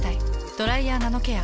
「ドライヤーナノケア」。